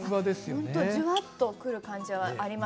じゅわっとくる感じがあります。